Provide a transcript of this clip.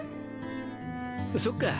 そっか。